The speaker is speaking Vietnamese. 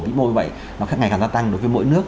vì vậy nó khá ngày càng tăng đối với mỗi nước